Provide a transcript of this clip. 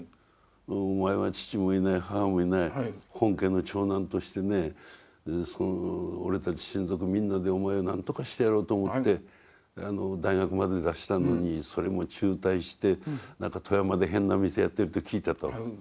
お前は父もいない母もいない本家の長男としてね俺たち親族みんなでお前を何とかしてやろうと思って大学まで出したのにそれも中退して富山で変な店やってるって聞いたと。